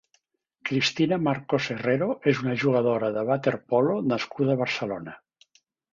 Cristina Marcos Herrero és una jugadora de waterpolo nascuda a Barcelona.